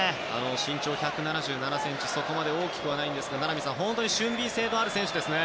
身長１７７ｃｍとそこまで大きくないですが名波さん本当に俊敏性のある選手ですね。